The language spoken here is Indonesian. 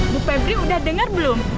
bu febri udah dengar belum